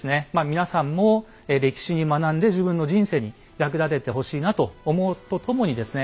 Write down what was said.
皆さんも歴史に学んで自分の人生に役立ててほしいなと思うとともにですね